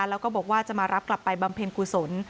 แล้วก็บอกว่าจะมารับกลับไปบำเพ็ญกุศล